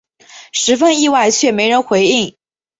十分意外却没人回应